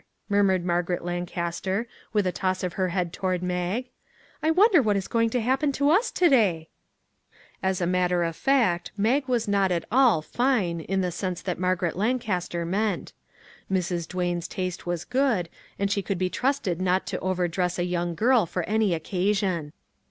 murmured Margaret Lancaster, with a toss of her head toward Mag; " I wonder what is going to happen to us to day !" As a matter of fact, Mag was not at all " fine " in the sense that Margaret Lancaster meant; Mrs. Duane's taste was good, and she could be trusted not to overdress a young girl for any occasion.